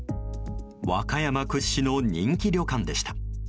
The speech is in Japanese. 和歌山屈指の人気旅館でした。